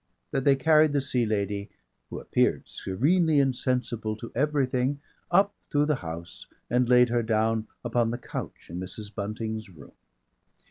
that they carried the Sea Lady (who appeared serenely insensible to everything) up through the house and laid her down upon the couch in Mrs. Bunting's room.